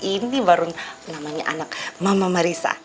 ini baru namanya anak mama merisa